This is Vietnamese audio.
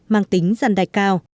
mang tính giăn đài cao